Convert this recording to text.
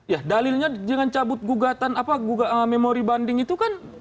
ya dalilnya dengan cabut gugatan memori banding itu kan